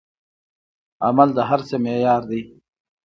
عمل د هر څه معیار دی.